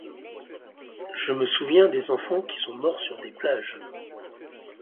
Je me souviens des enfants qui sont morts sur des plages.